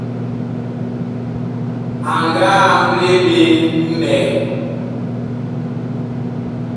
A nga amble ɓe mɓɛɛŋ.